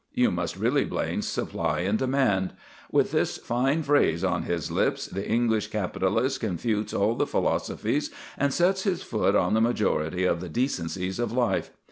You must really blame supply and demand. With this fine phrase on his lips, the English capitalist confutes all the philosophies and sets his foot on the majority of the decencies of life.